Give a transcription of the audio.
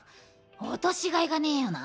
落としがいがねえよな。